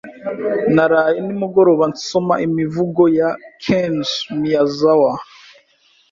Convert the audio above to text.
Naraye nimugoroba nsoma imivugo ya Kenji Miyazawa.